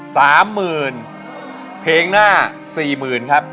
สามหมื่นเพลงหน้าสี่หมื่นครับ